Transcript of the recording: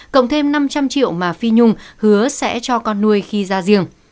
cộng thêm năm trăm linh triệu mà phi nhung hứa sẽ cho con nuôi khi ra riêng